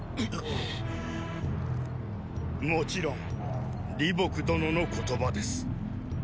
もちろん李牧殿の言葉です。